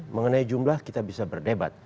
mengenai jumlah kita bisa berdebat